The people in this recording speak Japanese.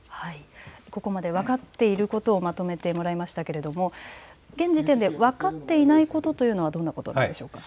ここまで分かっていることをまとめてもらいましたけれども、現時点で分かっていないことというのはどんなことでしょうか。